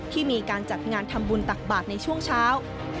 ที่มีการจัดงานทำบุญตักบาทในช่วงเช้า